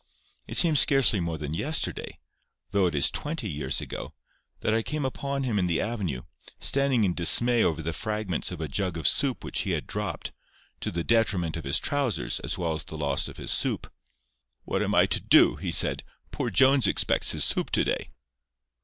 It seems scarcely more than yesterday—though it is twenty years ago—that I came upon him in the avenue, standing in dismay over the fragments of a jug of soup which he had dropped, to the detriment of his trousers as well as the loss of his soup. "What am I to do?" he said. "Poor Jones expects his soup to day."